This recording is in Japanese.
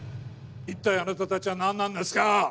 一体あなたたちは何なんですか